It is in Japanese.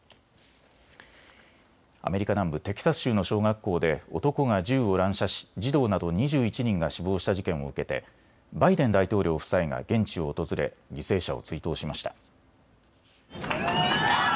アメリカ南部テキサス州の小学校で男が銃を乱射し児童など２１人が死亡した事件を受けてバイデン大統領夫妻が現地を訪れ犠牲者を追悼しました。